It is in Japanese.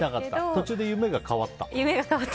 途中で夢が変わった？